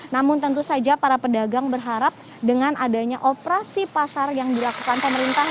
namun tentu saja para pedagang berharap dengan adanya operasi pasar yang dilakukan pemerintah